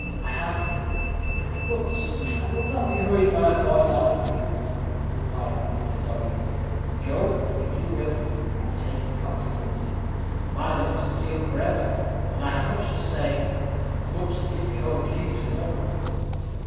"I have. But I will not be hurried by a boy like you," replied Peter, doggedly. "Go, if you will, and take the consequences. My lips are sealed forever, and I have much to say much that it behoves you to know."